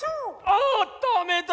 ああっダメだ！